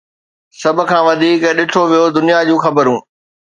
سڀ کان وڌيڪ ڏٺو ويو دنيا جون خبرون